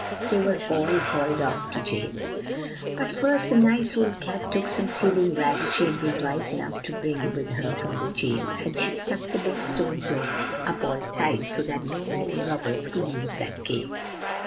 they were all hauled off to jail; but first the nice old cat took some sealing wax she had been wise enough to bring with her from the jail; and she stuck the big stone door all up tight, so that no more robbers could use that cave.